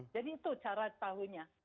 jadi itu cara tahunya